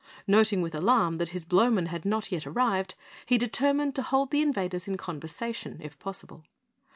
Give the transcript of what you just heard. Noting with alarm that his Blowmen had not yet arrived, he determined to hold the invaders in conversation, if possible.